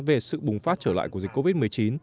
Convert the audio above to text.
về sự bùng phát trở lại của dịch covid một mươi chín